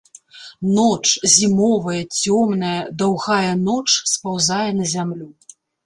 Ноч, зімовая, цёмная, даўгая ноч спаўзае на зямлю.